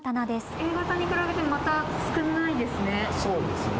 Ａ型に比べてまた少ないですね。